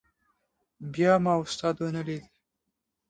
بیا ما استاد ونه لید.